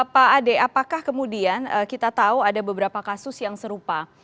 pak ade apakah kemudian kita tahu ada beberapa kasus yang serupa